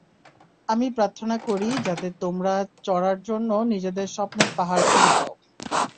আমি প্রার্থনা করি, যাতে তোমরা চড়ার জন্য নিজেদের স্বপ্নের পাহাড় খুঁজে পাও।